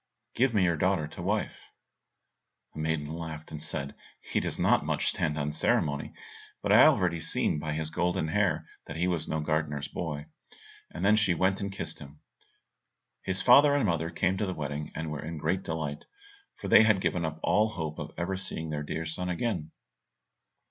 Give me your daughter to wife." The maiden laughed, and said, "He does not stand much on ceremony, but I have already seen by his golden hair that he was no gardener's boy," and then she went and kissed him. His father and mother came to the wedding, and were in great delight, for they had given up all hope of ever seeing their dear son again.